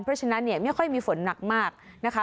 เพราะฉะนั้นเนี่ยไม่ค่อยมีฝนหนักมากนะคะ